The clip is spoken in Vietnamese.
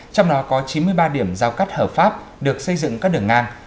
trong đó có chín mươi ba điểm giao cắt hợp pháp được xây dựng các đường ngang